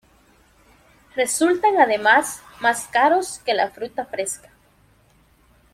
Resultan además más caros que la fruta fresca.